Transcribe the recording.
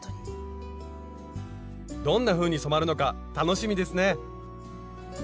どんなふうに染まるのか楽しみですね！